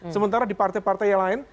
sementara di partai partai yang lain